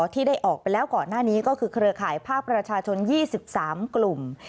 ที่ได้ออกไปแล้วก่อนหน้านี้ก็คือเครือข่ายภาคประชาชน๒๓กลุ่ม